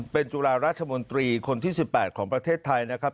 เป็นจุฬาราชมนตรีคนที่๑๘ของประเทศไทยนะครับ